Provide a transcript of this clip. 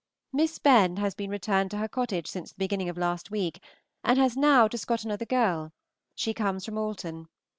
Miss Benn has been returned to her cottage since the beginning of last week, and has now just got another girl; she comes from Alton.